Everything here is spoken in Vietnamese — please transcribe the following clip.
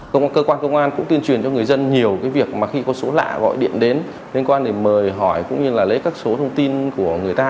cơ quan công an cũng tuyên truyền cho người dân nhiều cái việc mà khi có số lạ gọi điện đến liên quan để mời hỏi cũng như là lấy các số thông tin của người ta